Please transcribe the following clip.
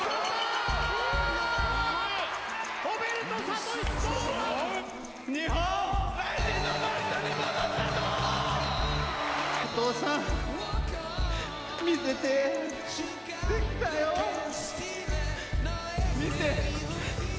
お父さん、見てて。